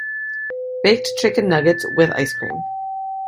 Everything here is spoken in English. Baked chicken nuggets, with ice cream.